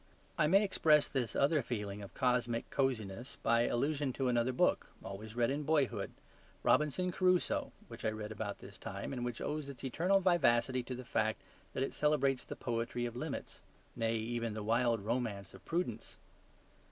I may express this other feeling of cosmic cosiness by allusion to another book always read in boyhood, "Robinson Crusoe," which I read about this time, and which owes its eternal vivacity to the fact that it celebrates the poetry of limits, nay, even the wild romance of prudence.